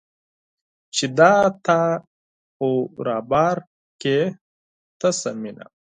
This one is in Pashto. چې دا تا خو رابار کړې تشه مینه